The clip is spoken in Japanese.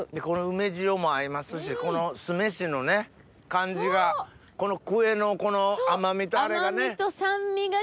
この梅塩も合いますしこの酢飯のね感じがクエのこの甘みとあれがね。